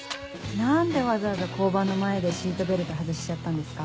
何でわざわざ交番の前でシートベルト外しちゃったんですか？